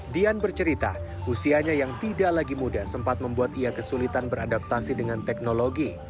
dian bercerita usianya yang tidak lagi muda sempat membuat ia kesulitan beradaptasi dengan teknologi